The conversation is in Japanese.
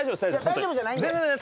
大丈夫じゃないんで。